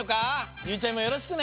ゆうちゃみもよろしくね。